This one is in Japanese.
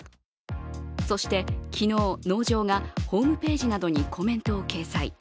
そして、昨日農場がホームページなどにコメントを掲載。